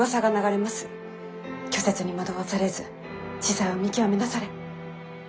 虚説に惑わされず子細を見極めなされ。